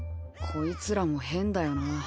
こいつらも変だよな。